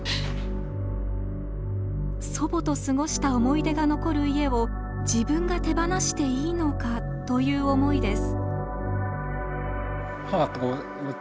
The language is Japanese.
祖母と過ごした思い出が残る家を自分が手放していいのかという思いです。